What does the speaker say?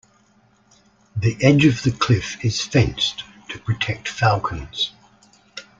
The edge of the cliff is fenced to protect falcons.